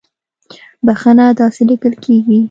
بخښنه داسې ليکل کېږي